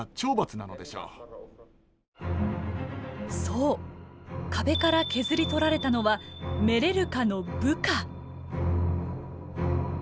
そう壁から削り取られたのはメレルカの部下。